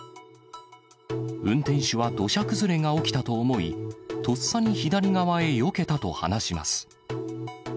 運転手は土砂崩れが起きたと思い、とっさに左側によけたと話します。